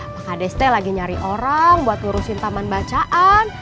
pak kades teh lagi nyari orang buat lurusin taman bacaan